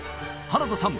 原田さん